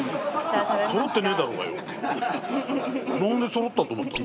何でそろったと思ったんだ。